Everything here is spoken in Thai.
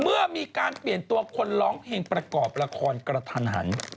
เมื่อมีการเปลี่ยนตัวคนร้องเพลงประกอบละครกระทันหัน